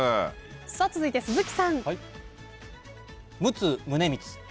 続いて鈴木さん。